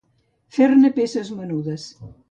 Fer-ne peces menudes.